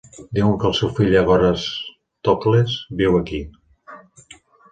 Diuen que el seu fill Agorastocles viu aquí.